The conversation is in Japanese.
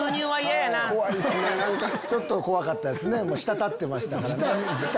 ちょっと怖かったですね滴ってましたから。